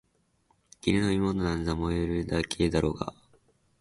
義理の妹なんざ萌えるだけだろうがあ！